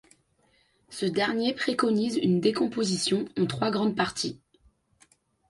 Ce dernier préconise une décomposition en trois grandes parties.